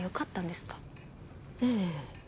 ええ。